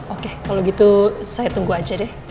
oke kalau gitu saya tunggu aja deh